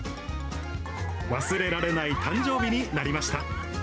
忘れられない誕生日になりました。